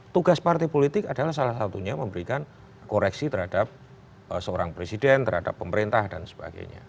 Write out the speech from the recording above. tugas partai politik adalah salah satunya memberikan koreksi terhadap seorang presiden terhadap pemerintah dan sebagainya